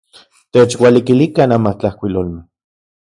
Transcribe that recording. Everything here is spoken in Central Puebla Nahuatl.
Techualikilikan amatlajkuilolmej.